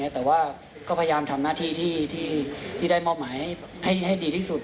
แต่ว่าก็พยายามทำหน้าที่ที่ได้มอบหมายให้ดีที่สุด